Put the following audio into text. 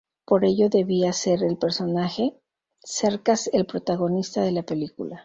Por ello debía ser el personaje Cercas el protagonista de la película.